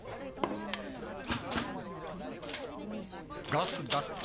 ガス・だって・